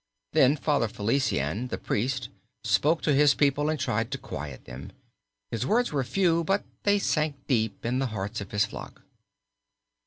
Then Father Felician, the priest, spoke to his people, and tried to quiet them. His words were few, but they sank deep in the hearts of his flock.